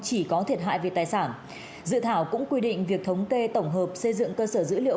chỉ có thiệt hại về tài sản dự thảo cũng quy định việc thống kê tổng hợp xây dựng cơ sở dữ liệu